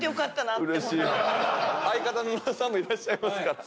相方の野田さんもいらっしゃいますから。